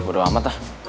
bodoh amat lah